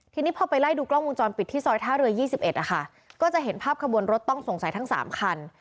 ทีนี้พอไปไล่ดูกล้องมุมจรปิดที่ซอยท่าเรือยี่สิบเอ็ดอะค่ะก็จะเห็นภาพข้างบนรถต้องสงสัยทั้งสามคัน